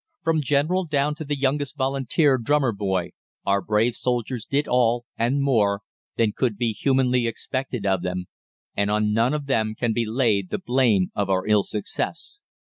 "From General down to the youngest Volunteer drummer boy, our brave soldiers did all, and more, than could be humanly expected of them, and on none of them can be laid the blame of our ill success.